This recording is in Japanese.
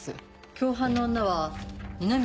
共犯の女は二ノ宮